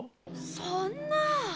そんなぁ！